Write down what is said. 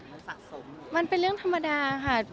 มันสะสมมันเป็นเรื่องธรรมดาค่ะ